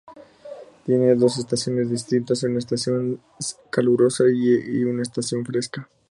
Tiene dos estaciones distintas: una estación calurosa y una estación fresca.